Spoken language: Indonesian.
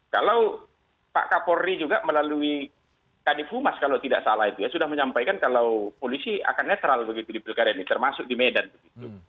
kalau pak kapolri juga melalui kadif humas kalau tidak salah itu ya sudah menyampaikan kalau polisi akan netral begitu di pilkada ini termasuk di medan begitu